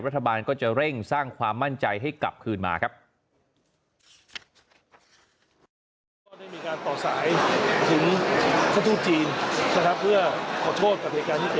รัฐบาลก็จะเร่งสร้างความมั่นใจให้กลับคืนมาครับ